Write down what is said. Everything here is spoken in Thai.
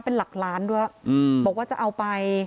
เป็นหลักล้านด้วยบอกว่าจะเอาไป